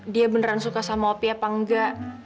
dia beneran suka sama opi apa enggak